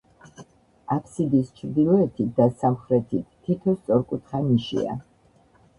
აბსიდის ჩრდილოეთით და სამხრეთით თითო სწორკუთხა ნიშია.